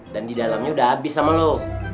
dan di dalamnya udah abis sama lu